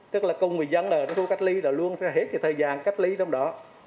tức là công nghệ dân ở trong khu cách ly là luôn sẽ hết thời gian cách ly trong đó